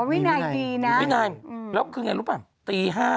อ๋อวินัยดีนะอ๋อวินัยแล้วคืออย่างไรรู้หรือเปล่า